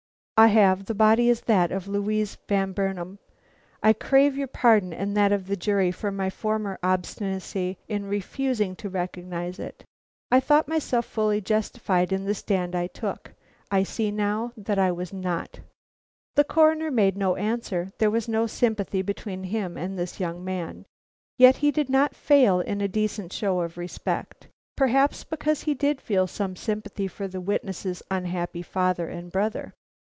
"I have. The body is that of Louise Van Burnam; I crave your pardon and that of the jury for my former obstinacy in refusing to recognize it. I thought myself fully justified in the stand I took. I see now that I was not." The Coroner made no answer. There was no sympathy between him and this young man. Yet he did not fail in a decent show of respect; perhaps because he did feel some sympathy for the witness's unhappy father and brother.